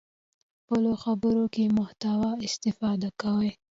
خپلو خبرو کې محتوا استفاده کوي.